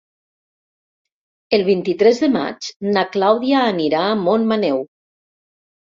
El vint-i-tres de maig na Clàudia anirà a Montmaneu.